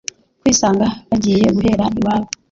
kwisanga bagiye guhera iwabo